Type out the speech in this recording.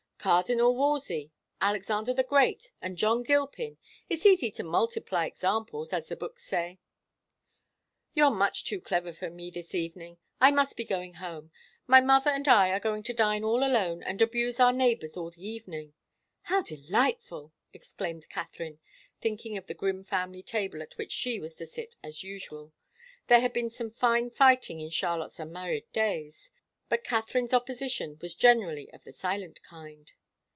"Cardinal Wolsey, Alexander the Great, and John Gilpin. It's easy to multiply examples, as the books say." "You're much too clever for me this evening. I must be going home. My mother and I are going to dine all alone and abuse our neighbours all the evening." "How delightful!" exclaimed Katharine, thinking of the grim family table at which she was to sit as usual there had been some fine fighting in Charlotte's unmarried days, but Katharine's opposition was generally of the silent kind.